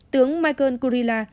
tướng michael gurila